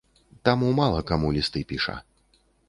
Таму мала каму лісты піша.